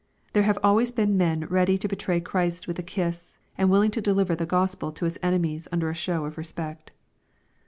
There have always been men ready to betray Christ with a kiss, and willing to deliver the Gos pel to its enemies under a show of respect.